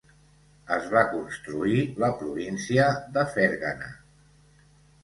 Es va constituir la província de Fergana.